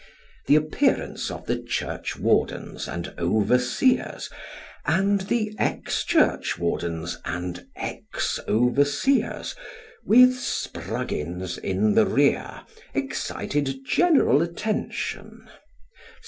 The appearance of the churchwardens and overseers, and the ex churchwardens and ex overseers, with Spruggins in the rear, excited general attention.